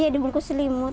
iya dibungkus selimut